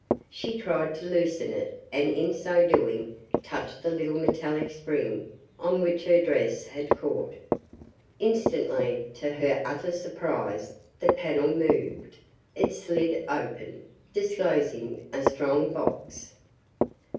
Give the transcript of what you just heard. She tried to loosen it and in so doing touched the little metallic spring on which her dress had caught. Instantly, to her utter surprise, the panel moved. It slid open, disclosing a strong box.